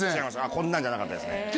こんなんじゃなかったですね